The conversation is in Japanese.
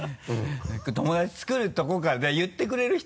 友達作るところからだから言ってくれる人。